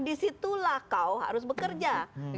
disitulah kau harus bekerja